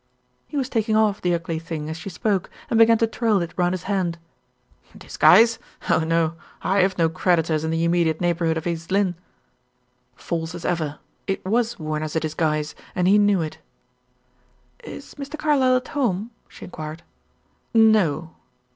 He was taking off the "ugly thing" as she spoke and began to twirl it round his hand. "Disguise? Oh, no; I have no creditors in the immediate neighborhood of East Lynne." False as ever it was worn as a disguise and he knew it. "Is Mr. Carlyle at home?" she inquired. "No."